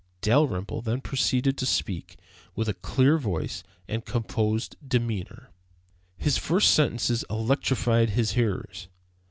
Dalrymple then proceeded to speak with a clear voice and composed demeanor. His first sentences electrified his hearers.